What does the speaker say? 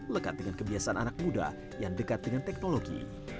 lekat dengan kebiasaan anak muda yang dekat dengan teknologi